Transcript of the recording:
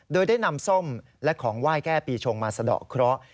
โดยได้นำส้มและของไหว้แก้ปีชงมาสะดอกเคราะห์